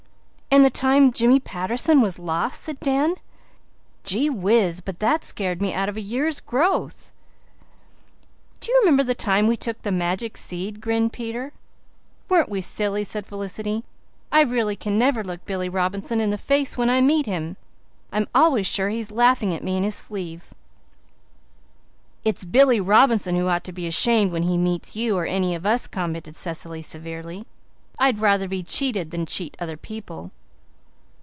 "And the time Jimmy Patterson was lost," said Dan. "Gee whiz, but that scared me out of a year's growth." "Do you remember the time we took the magic seed," grinned Peter. "Weren't we silly?" said Felicity. "I really can never look Billy Robinson in the face when I meet him. I'm always sure he's laughing at me in his sleeve." "It's Billy Robinson who ought to be ashamed when he meets you or any of us," commented Cecily severely. "I'd rather be cheated than cheat other people."